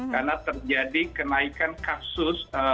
karena terjadi kenaikan kasus